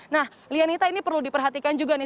nah lianita ini perlu diperhatikan juga nih